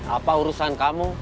apa urusan kamu